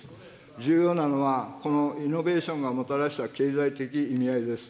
重要なのはこのイノベーションがもたらした経済的意味合いです。